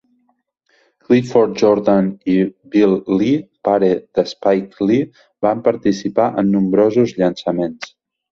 Clifford Jordan i Bill Lee, pare de Spike Lee, van participar en nombrosos llançaments.